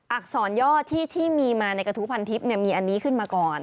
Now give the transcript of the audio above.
อักษรย่อที่มีมาในกระทู้พันทิพย์มีอันนี้ขึ้นมาก่อน